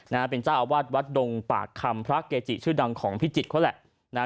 นะฮะเป็นเจ้าอาวาสวัดดงปากคำพระเกจิชื่อดังของพิจิตรเขาแหละนะฮะ